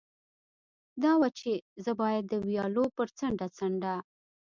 دا وه، چې زه باید د ویالو پر څنډه څنډه.